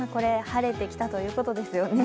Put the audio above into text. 晴れてきたということですよね。